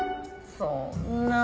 そんなあ。